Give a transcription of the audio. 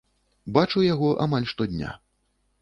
Бачу яго амаль штодня.